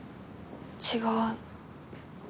違う。